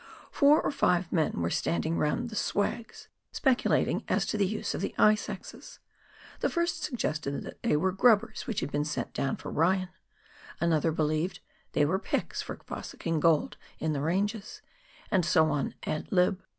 Four or five men were standing round the " swags," speculat ing as to the use of the ice axes. The first suggested that they were " grubbers which had been sent down for Ryan," another believed " they were picks for fossicking gold in the ranges," and so on ad lib.